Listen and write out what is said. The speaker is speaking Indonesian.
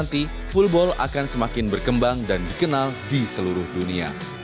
mungkin suatu saat nanti full ball akan semakin berkembang dan dikenal di seluruh dunia